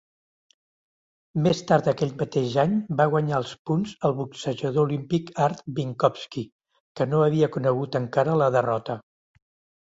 Més tard aquell mateix any, va guanyar als punts el boxejador olímpic Art Binkowski, que no havia conegut encara la derrota.